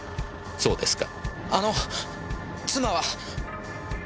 そうですか。